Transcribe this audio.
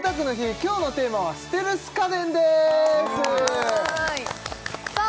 今日のテーマはステルス家電ですさあ